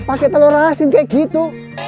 pakai telur asin kayak gitu